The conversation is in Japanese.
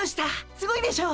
すごいでしょ！